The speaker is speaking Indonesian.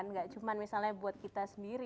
nggak cuma misalnya buat kita sendiri